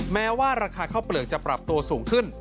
แม้ว่าราคาข้าวเปลือกจะปรับตัวสูงขึ้น